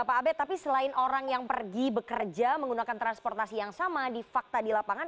pak abed tapi selain orang yang pergi bekerja menggunakan transportasi yang sama di fakta di lapangan